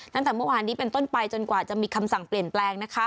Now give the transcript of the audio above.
ตั้งแต่เมื่อวานนี้เป็นต้นไปจนกว่าจะมีคำสั่งเปลี่ยนแปลง